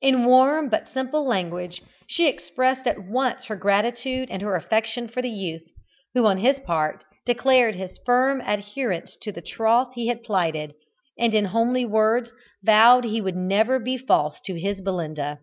In warm but simple language she expressed at once her gratitude and her affection for the youth, who, on his part, declared his firm adherence to the troth he had plighted, and in homely words vowed that he would never be false to his Belinda.